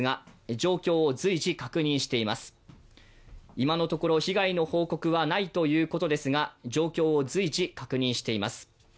今のところ、被害の方向はないということですが状況を随時確認しています。